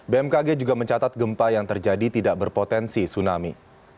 bmkg juga mencatat gempa yang terjadi tidak berpotensi tsunami